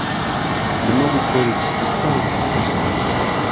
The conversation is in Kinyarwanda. Ndimo gukora iki gutwara icupa